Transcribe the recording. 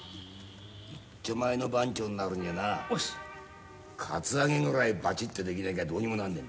いっちょ前の番長になるにはなカツアゲぐらいばちってできなきゃどうにもなんねえんだ。